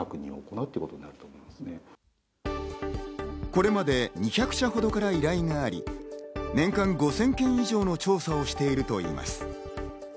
これまで２００社ほどから依頼があり、年間５０００件以上の調査をしているといいます。